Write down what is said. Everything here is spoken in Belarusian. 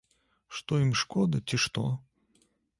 Што ім шкода, ці што?